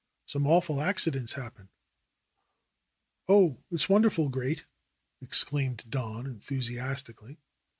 "Some awful accidents happen." "Oh, it's wonderful, great!' exclaimed Don enthusi astically.